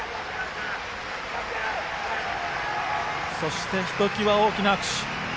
そして、ひときわ大きな拍手。